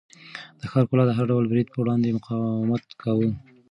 د ښار کلا د هر ډول برید په وړاندې مقاومت کاوه.